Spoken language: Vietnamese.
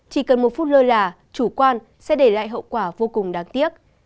chỉ cần một phút lơ là chủ quan sẽ để lại hậu quả vô cùng đáng tiếc